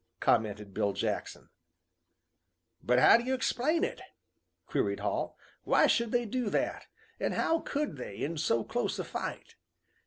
commented Bill Jackson. "But how do you explain it?" queried Hall. "Why should they do that? And how could they, in so close a fight?"